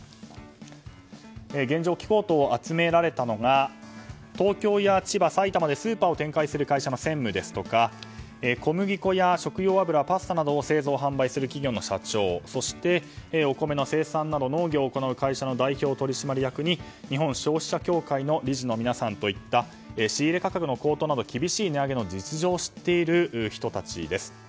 現状を聞こうと集められたのが東京や千葉、埼玉などでスーパーを展開する会社の専務ですとか小麦粉や食料油、パスタなどを製造・販売する会社の社長そしてお米の生産などの農業を行う会社の代表取締役や日本消費者協会の理事の皆さんといった仕入れ価格の高騰など厳しい値上げの実情を知っている人たちです。